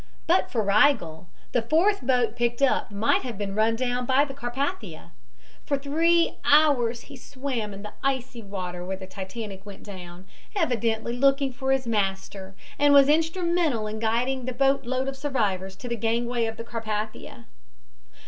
But for Rigel the fourth boat picked up might have been run down by the Carpathia. For three hours he swam in the icy water where the Titanic went down, evidently looking for his master, and was instrumental in guiding the boatload of survivors to the gangway of the Carpathia.